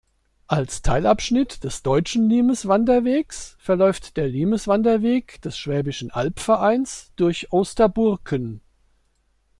Als Teilabschnitt des Deutschen Limes-Wanderwegs verläuft der Limes-Wanderweg des Schwäbischen Albvereins durch Osterburken.